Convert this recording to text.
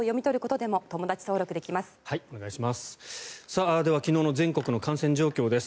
では昨日の全国の感染状況です。